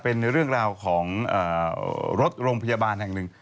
เป็นเรื่องราวของรถโรงพยาบาลแห่งหนึ่ง